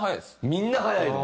みんな早いの？